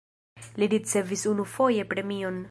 Li ricevis unufoje premion.